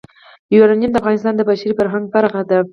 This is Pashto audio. یورانیم د افغانستان د بشري فرهنګ برخه ده.